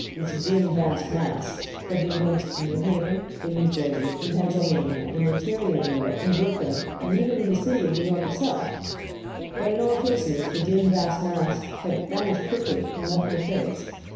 This dim vast mass had been glimpsed in New Haven, in New Jersey, in Pennsylvania, in interior New York, in Brooklyn, and even in the city of New York itself! But in all cases the dim vast mass had vanished quickly and left no trace.